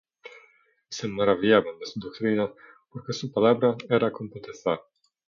Y se maravillaban de su doctrina, porque su palabra era con potestad.